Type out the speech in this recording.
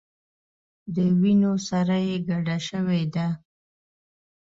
د وینو سره یې ګډه شوې ده.